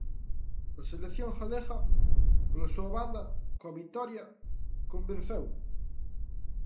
A Selección Galega, pola súa banda, coa vitoria convenceu.